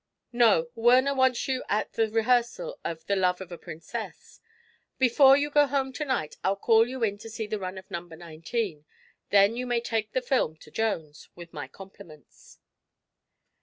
"No. Werner wants you at the rehearsal of 'The Love of a Princess.' Before you go home to night I'll call you in to see the run of number nineteen. Then you may take the film to Jones with my compliments."